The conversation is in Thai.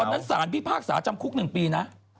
ตอนนั้นสารพี่พากษาจำคุกหนึ่งปีนะ